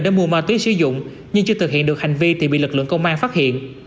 để mua ma túy sử dụng nhưng chưa thực hiện được hành vi thì bị lực lượng công an phát hiện